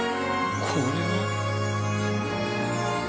これは。